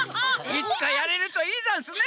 いつかやれるといいざんすね！